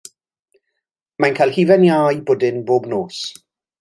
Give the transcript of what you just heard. Mae'n cael hufen iâ i bwdin bob nos.